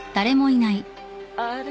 あれ？